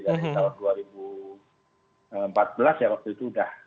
dari tahun dua ribu empat belas ya waktu itu sudah